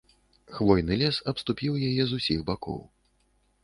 Хвойны лес абступіў яе з усіх бакоў.